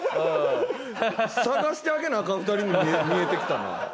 捜してあげなアカン２人に見えてきたな。